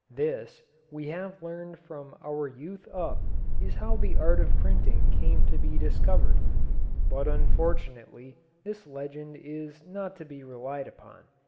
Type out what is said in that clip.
This, we have learned from our youth up, is how the art of printing came to be discovered. But unfortunately, this legend is not to be relied upon.